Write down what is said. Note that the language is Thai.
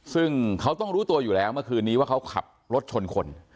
ซึ่งเขาต้องรู้ตัวอยู่แล้วเมื่อคืนนี้ว่าเขาขับรถชนคน